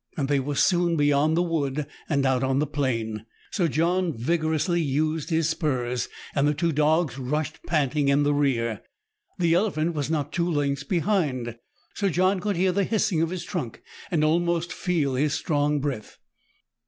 They were soon beyond the wood, and out on the plain. Sir John vigo rously used his spurs, and the two dogs rushed panting in the rear. The elephant was not two lengths behind. Sir John could hear the hissing of his trunk, and almost feci his strong breath.